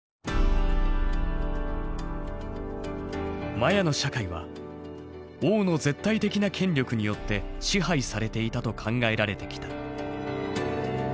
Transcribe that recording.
マヤの社会は王の絶対的な権力によって支配されていたと考えられてきた。